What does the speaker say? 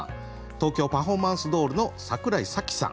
東京パフォーマンスドールの櫻井紗季さん。